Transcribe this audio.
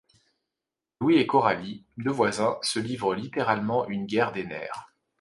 Louis et Coralie, deux voisins, se livrent littéralement une guerre des nerfs.